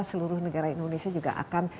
seluruh negara indonesia juga akan